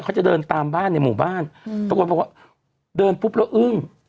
เขาจะเดินตามบ้านในหมู่บ้านอืมปรากฏบอกว่าเดินปุ๊บแล้วอึ้ง